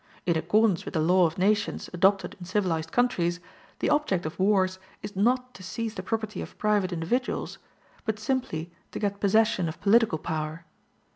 In accordance with the law of nations adopted in civilized countries, the object of wars is not to seize the property of private individuals, but simply to get possession of political power.